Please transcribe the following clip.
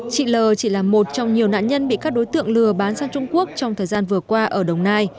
chị l chỉ là một trong nhiều nạn nhân bị các đối tượng lừa bán sang trung quốc trong thời gian vừa qua